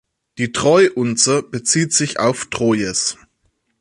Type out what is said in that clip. Die Troy-Unze bezieht sich auf Troyes.